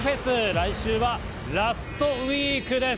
来週はラストウイークです。